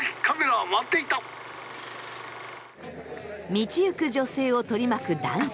道行く女性を取り巻く男性。